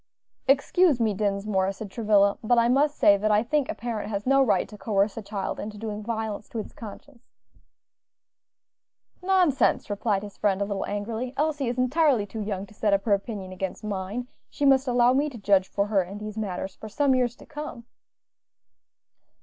"Excuse me, Dinsmore," said Travilla; "but I must say that I think a parent has no right to coerce a child into doing violence to its conscience." "Nonsense!" replied his friend, a little angrily. "Elsie is entirely too young to set up her opinion against mine; she must allow me to judge for her in these matters for some years to come."